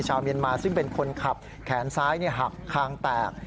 เมียนมาซึ่งเป็นคนขับแขนซ้ายหักคางแตก